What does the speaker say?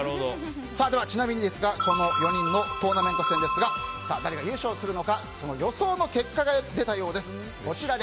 では、ちなみにですがこの４人のトーナメント戦ですが誰が優勝するのか予想の結果が出たようです。